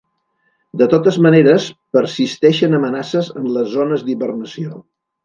De totes maneres persisteixen amenaces en les zones d'hibernació.